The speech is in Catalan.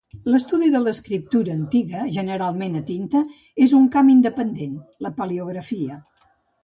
L'estudi de l'escriptura antiga, generalment a tinta, és un camp independent, la paleografia.